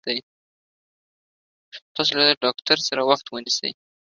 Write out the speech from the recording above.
تاسو له ډاکټر سره وخت ونيسي